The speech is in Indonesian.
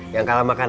yang kalah makan